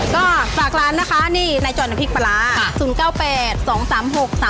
ก็ฝากร้านนะคะนี่นายจอดน้ำพริกปลาร้า๐๙๘๒๓๖๓